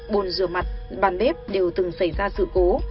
bồn rửa mặt bàn bếp đều từng xảy ra sự cố